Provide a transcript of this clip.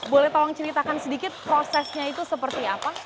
boleh tolong ceritakan sedikit prosesnya itu seperti apa